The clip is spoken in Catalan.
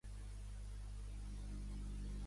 "Sí, sí, esteu cansat", va dir.